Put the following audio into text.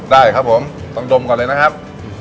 ได้ครับผมต้องดมก่อนเลยนะครับ